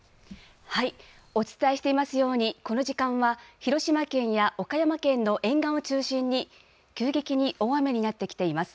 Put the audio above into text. お伝えしていますように、この時間は、広島県や岡山県の沿岸を中心に、急激に大雨になってきています。